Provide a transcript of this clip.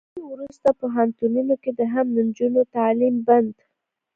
دوی ورسته پوهنتونونو کې هم د نجونو تعلیم بند